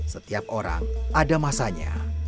setiap orang ada masanya